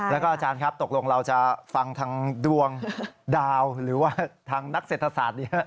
แล้วก็อาจารย์ครับตกลงเราจะฟังทางดวงดาวหรือว่าทางนักเศรษฐศาสตร์นี้